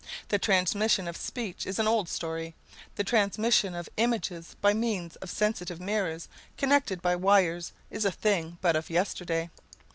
The transmission of speech is an old story; the transmission of images by means of sensitive mirrors connected by wires is a thing but of yesterday.